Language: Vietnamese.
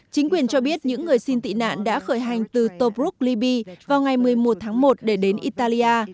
chính quyền cho biết những người xin tị nạn đã khởi hành từ toproup libya vào ngày một mươi một tháng một để đến italia